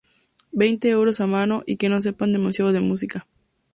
Veinte euros a mano y que no sepan demasiado de música